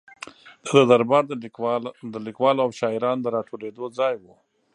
د ده دربار د لیکوالو او شاعرانو د را ټولېدو ځای و.